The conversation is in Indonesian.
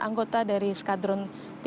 anggota dari skadron tiga puluh dua